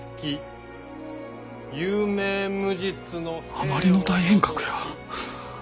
あまりの大変革や。